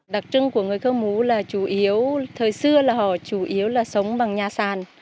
đặc trưng của người khơ mú là chủ yếu thời xưa là họ chủ yếu là sống bằng nhà sàn